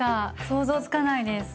想像つかないです。